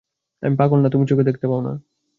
আমি পাগল না তুমি চোখে দেখতে পাও না!